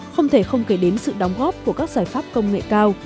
không thể không kể đến sự đóng góp của các giải pháp công nghệ cao